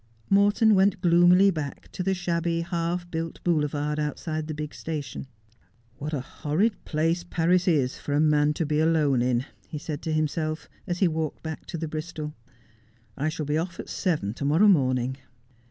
Morton went gloomily back to the shabby, half built boulevard outside the big station. ' What a horrid place Paris is for a man to be alone in !' he said to himself, as he walked back to the Bristol. ' I shall be off at seven to morrow morning.'